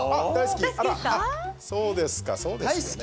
そうですか、そうですよね。